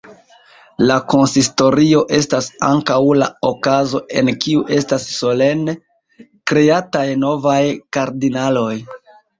La konsistorio estas ankaŭ la okazo en kiu estas solene "kreataj" novaj kardinaloj.